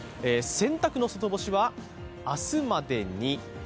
洗濯の外干しは明日までに。